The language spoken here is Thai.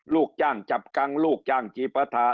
ลูกจ้างจับกังลูกจ้างจีปฐา